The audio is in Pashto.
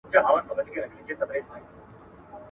چی دي بند نه سي په ستوني یا په خوله کی !.